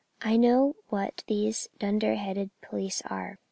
I know what these dunderheaded police are.